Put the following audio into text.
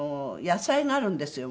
野菜があるんですよ